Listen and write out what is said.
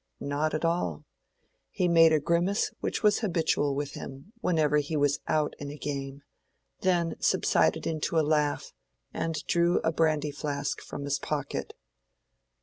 Not at all. He made a grimace which was habitual with him whenever he was "out" in a game; then subsided into a laugh, and drew a brandy flask from his pocket.